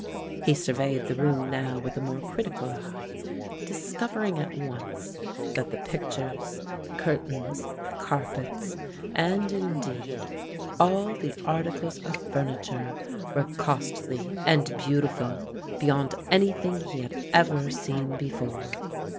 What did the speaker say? He surveyed the room now with a more critical eye, discovering at once that the pictures, the curtains, the carpets, and indeed all the articles of furniture were costly and beautiful beyond anything he had ever seen before.